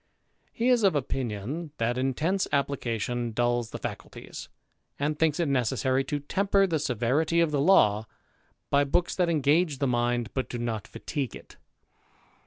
He is of opinion, that intense application dulls the faculties, and thinks it necessary to temper the severity of the law by books that engage the mind, but do not fatigue it.